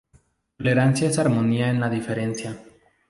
Tolerancia es armonía en la diferencia.